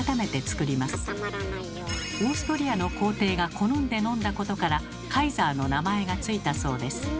オーストリアの皇帝が好んで飲んだことから「カイザー」の名前が付いたそうです。